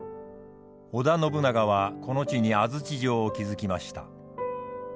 織田信長はこの地に安土城を築きました。